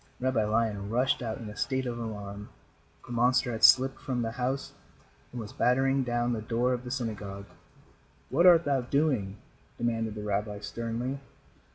Rabbi Lion rushed out in a state of alarm. The monster had slipped from the house and was battering down the door of the synagogue. "What art thou doing?" demanded the rabbi, sternly.